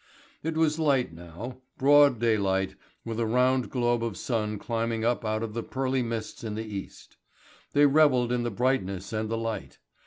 It was light now, broad daylight, with a round globe of sun climbing up out of the pearly mists in the East. They revelled in the brightness and the light.